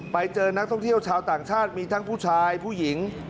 ไปเจอนักท่องเที่ยวชาวต่างชาติมีทั้งผู้ชายผู้หญิง